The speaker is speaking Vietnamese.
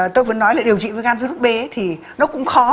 tôi vừa nói là điều trị gan virus b thì nó cũng khó